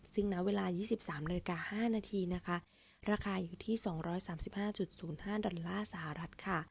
ซึ่งในเวลา๒๓๐๕นาทีราคาอยู่ที่๒๓๕๐๕ดอลลาร์สหรัฐ